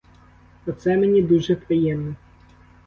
Оце мені дуже приємно!